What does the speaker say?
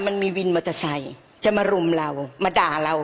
มันมีวินมอเตอร์ไซค์จะมารุมเรามาด่าเรา